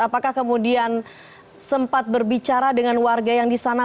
apakah kemudian sempat berbicara dengan warga yang di sana